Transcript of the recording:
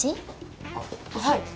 あっはい。